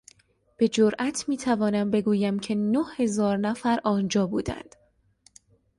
به جرات میتوانم بگویم که نههزار نفر آنجا بودند.